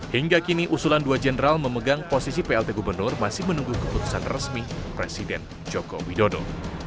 hingga kini usulan dua jenderal memegang posisi plt gubernur masih menunggu keputusan resmi presiden joko widodo